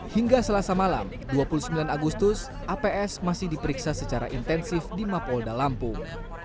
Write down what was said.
hingga selasa malam dua puluh sembilan agustus aps masih diperiksa secara intensif di mapolda lampung